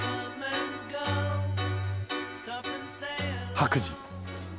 「白磁」